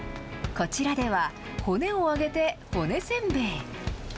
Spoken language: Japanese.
こちらでは骨を揚げて骨せんべい。